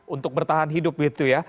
untuk bertahan hidup begitu ya